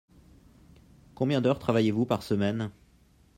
Combien d’heures travaillez-vous par semaine ?